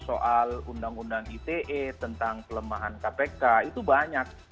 soal undang undang ite tentang kelemahan kpk itu banyak